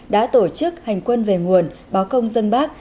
đã tổ chức hành quân về nguồn báo công dân bác